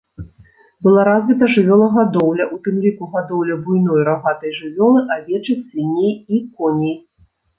Была развіта жывёлагадоўля, у тым ліку гадоўля буйной рагатай жывёлы, авечак, свіней і коней.